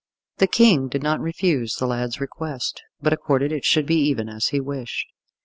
The King did not refuse the lad's request, but accorded it should be even as he wished.